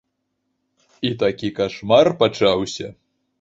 І такі кашмар пачаўся.